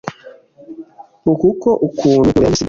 kuko ukuntu muberanye si gusa